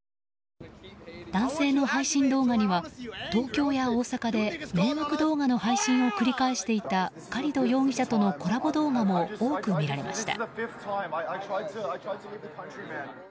男性の配信動画には東京や大阪で迷惑動画の配信を繰り返していたカリド容疑者とのコラボ動画も多く見られました。